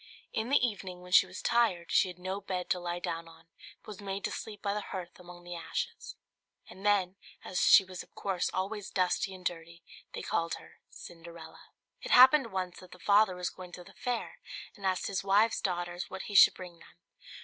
In the evening, when she was tired, she had no bed to lie down on, but was made to sleep by the hearth among the ashes; and then, as she was of course always dusty and dirty, they called her Cinderella. It happened once that the father was going to the fair, and asked his wife's daughters what he should bring them.